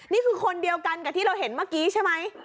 นี่คือคนเดียวกันกับที่เราเห็นเมื่อกี้ใช่ไหม